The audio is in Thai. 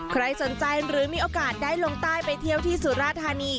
ใครสนใจหรือมีโอกาสได้ลงใต้ไปเที่ยวที่สุราธานี